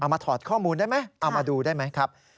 มาถอดข้อมูลได้ไหมเอามาดูได้ไหมครับ